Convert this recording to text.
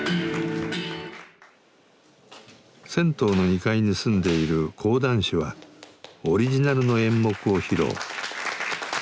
銭湯の２階に住んでいる講談師はオリジナルの演目を披露。